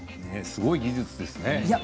すごい技術ですね。